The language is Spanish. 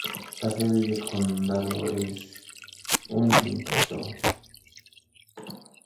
La sede del condado es Huntingdon.